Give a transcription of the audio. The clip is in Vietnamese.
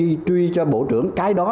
người ta chưa truy cho bộ trưởng cái đó